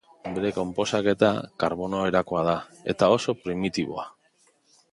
Bere konposaketa, karbono erakoa da, eta oso primitiboa.